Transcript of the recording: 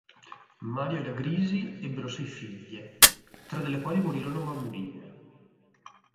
Mario e la Grisi ebbero sei figlie, tre delle quali morirono bambine.